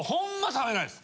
食べないです。